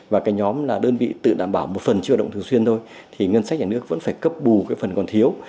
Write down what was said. và cái nhóm là đơn vị tự đảm bảo một phần chưa hoạt động thường xuyên thôi thì ngân sách nhà nước vẫn phải cấp bù cái phần còn thiếu